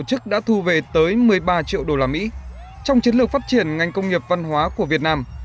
chức đã thu về tới một mươi ba triệu usd trong chiến lược phát triển ngành công nghiệp văn hóa của việt nam